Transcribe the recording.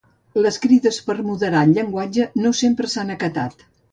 Les crides per moderar el llenguatge no sempre s'han acatat.